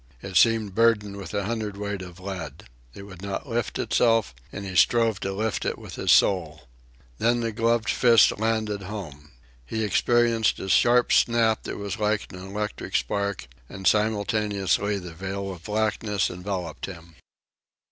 It seemed burdened with a hundredweight of lead. It would not lift itself, and he strove to lift it with his soul. Then the gloved fist landed home. He experienced a sharp snap that was like an electric spark, and, simultaneously, the veil of blackness enveloped him.